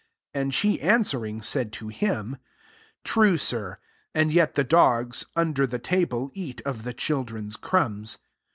28 And she answer ing, said to him, " True, Sir: and yet the dogs, under the ta ble, eat of the children's crumbs."